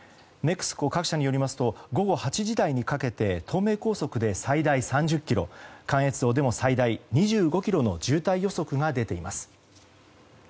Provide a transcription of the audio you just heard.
各社によりますと午後８時台にかけて東名高速で最大３０ｋｍ関越道でも最大２５ｋｍの渋滞予測が出ています。